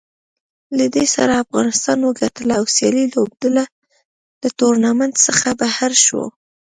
له دې سره افغانستان وګټله او سیاله لوبډله له ټورنمنټ څخه بهر شوه